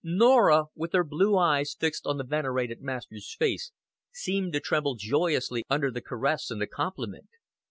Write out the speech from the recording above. Norah, with her blue eyes fixed on the venerated master's face, seemed to tremble joyously under the caress and the compliment.